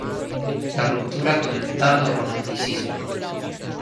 La ruptura con el tardo-romanticismo.